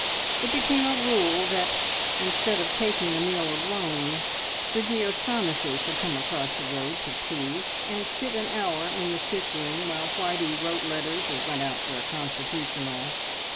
It became a rule that, instead of taking the meal alone, Bridgie O'Shaughnessy should come across the road to tea, and sit an hour in the sick room while Whitey wrote letters or went out for a constitutional.